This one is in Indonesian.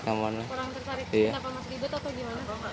kenapa masak ribet atau gimana